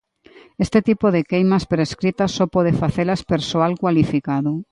Este tipo de queimas prescritas só pode facelas persoal cualificado.